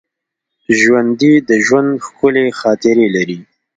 ژوندي د ژوند ښکلي خاطرې لري